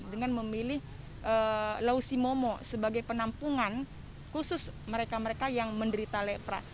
dengan memilih lausimomo sebagai penampungan khusus mereka mereka yang menderita lepra